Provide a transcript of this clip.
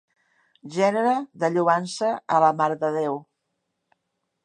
Gènere de lloança a la marededéu.